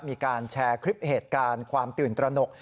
มีการแชร์คลิปเหตุการณ์ความตื่นตระหนก